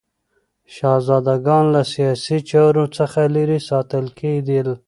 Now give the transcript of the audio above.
شهزادګان له سیاسي چارو څخه لیرې ساتل کېدل.